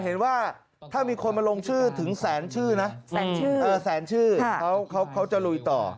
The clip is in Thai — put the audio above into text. เห็นว่าถ้ามีคนมาลงชื่อถึง๑๐๐๐๐๐ชื่อนะ๑๐๐๐๐๐ชื่อเขาจะลุยต่อ